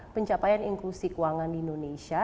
pencapaian inklusi keuangan di indonesia